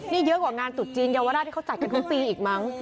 นี่เยอะกว่างานตุดจีนเยาวราชที่เขาจัดกันทุกปีอีกมั้ง